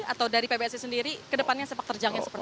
atau dari pbsi sendiri ke depannya sepak terjangnya seperti apa